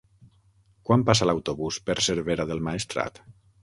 Quan passa l'autobús per Cervera del Maestrat?